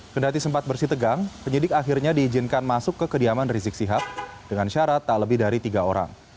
kendati sempat bersih tegang penyidik akhirnya diizinkan masuk ke kediaman rizik sihab dengan syarat tak lebih dari tiga orang